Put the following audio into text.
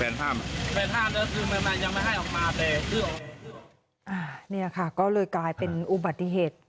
นี่ค่ะก็เลยกลายเป็นอุบัติเหตุ